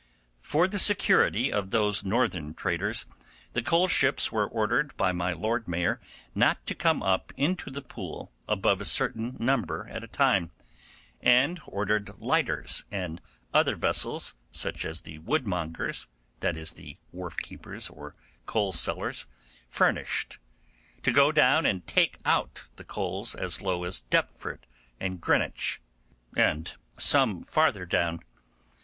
For the security of those northern traders, the coal ships were ordered by my Lord Mayor not to come up into the Pool above a certain number at a time, and ordered lighters and other vessels such as the woodmongers (that is, the wharf keepers or coal sellers) furnished, to go down and take out the coals as low as Deptford and Greenwich, and some farther down.